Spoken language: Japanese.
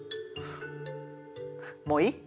もういい？